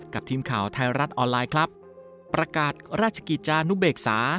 ทีมข่าวไทยรัฐออนไลน์ครับประกาศราชกิจจานุเบกษา